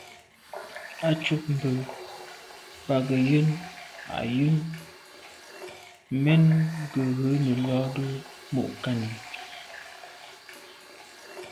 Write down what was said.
Á cúp mbə̄ mbā gə̀ yɑ́nə́ à' yɑ́nə́ mɛ̀n gə̀ rə̌ nə̀ lódə́ mû' kání.